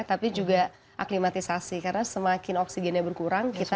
tapi juga aklimatisasi karena semakin oksigennya berkurang kita kan